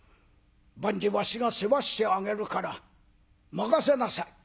万事わしが世話してあげるから任せなさい」。